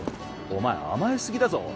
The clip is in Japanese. お前甘えすぎだぞ。